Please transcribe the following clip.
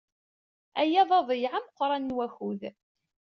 Aya d aḍeyyeɛ ameqran n wakud!